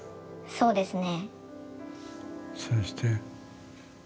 そうですね。